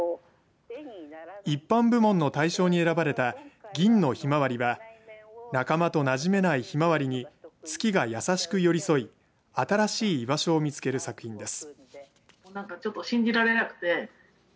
一般部門の大賞に選ばれたぎんのひまわりは仲間となじめないひまわりに月がやさしく寄り添い新しい居場所を見つける作品です。